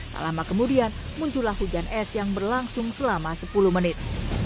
tak lama kemudian muncullah hujan es yang berlangsung selama sepuluh menit